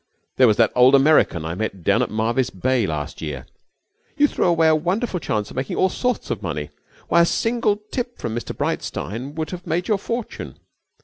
There was that old American I met down at Marvis Bay last year ' 'You threw away a wonderful chance of making all sorts of money. Why, a single tip from Mr Breitstein would have made your fortune.'